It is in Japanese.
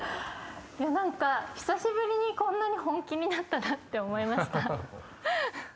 何か久しぶりにこんなに本気になったなって思いました。